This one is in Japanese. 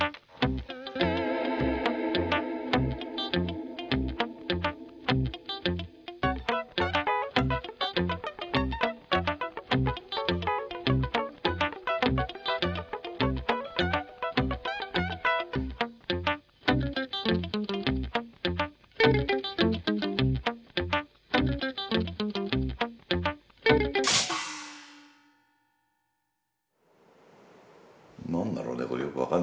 何だろうねこれよく分かんないな。